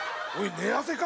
寝汗か？